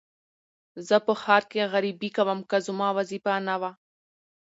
زه په ښار کې غريبي کوم که زما وظيفه نه وى.